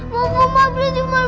bekerja steroid yang lain